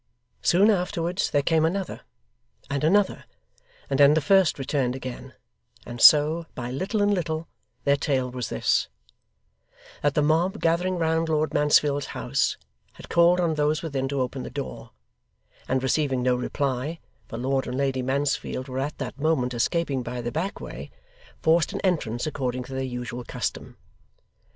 Soon afterwards there came another, and another, and then the first returned again, and so, by little and little, their tale was this: That the mob gathering round Lord Mansfield's house, had called on those within to open the door, and receiving no reply (for Lord and Lady Mansfield were at that moment escaping by the backway), forced an entrance according to their usual custom.